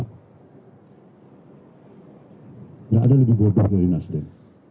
tidak ada yang lebih berbahaya dari nasdem